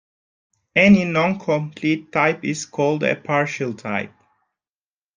Any non-complete type is called a partial type.